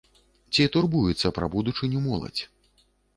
Ці турбуецца пра будучыню моладзь?